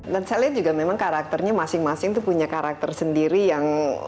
dan saya lihat juga memang karakternya masing masing tuh punya karakter sendiri yang